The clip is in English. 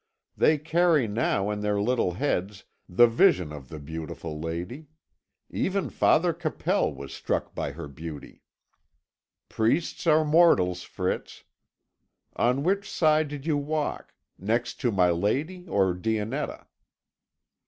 They carry now in their little heads the vision of the beautiful lady. Even Father Capel was struck by her beauty." "Priests are mortals, Fritz. On which side did you walk next to my lady or Dionetta?"